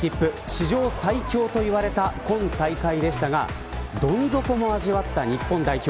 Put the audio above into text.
史上最強といわれた今大会でしたがどん底も味わった日本代表。